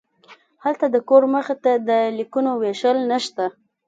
هلته د کور مخې ته د لیکونو ویشل نشته